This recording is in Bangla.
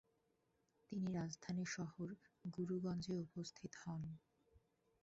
তিনি রাজধানী শহর গুরুগঞ্জে উপস্থিত হন।